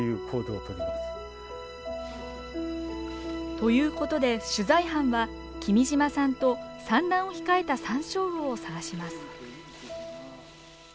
ということで取材班は君島さんと産卵を控えたサンショウウオを探します。